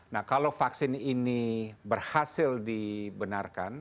nah kalau vaksin ini berhasil dibenarkan